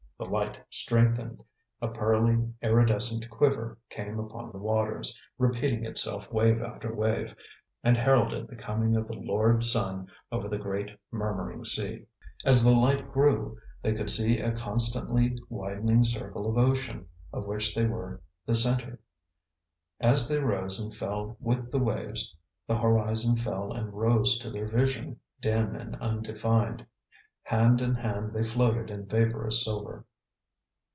The light strengthened. A pearly, iridescent quiver came upon the waters, repeating itself wave after wave, and heralded the coming of the Lord Sun over the great murmuring sea. As the light grew, they could see a constantly widening circle of ocean, of which they were the center. As they rose and fell with the waves, the horizon fell and rose to their vision, dim and undefined. Hand in hand they floated in vaporous silver.